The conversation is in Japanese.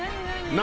何？